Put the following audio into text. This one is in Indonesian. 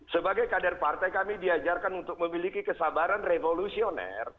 sebagai kader partai kami diajarkan untuk memiliki kesabaran revolusioner